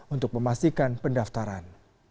untuk memastikan pendaftaran